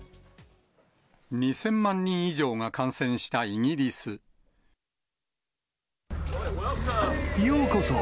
２０００万人以上が感染したようこそ！